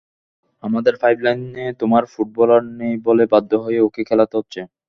আমাদের পাইপলাইনে তেমন ফুটবলার নেই বলেই বাধ্য হয়ে ওকে খেলাতে হচ্ছে।